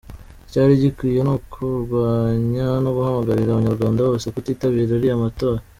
Icyari gikwiye ni ukurwanya no guhamagarira abanyarwanda bose kutitabira ariya matora.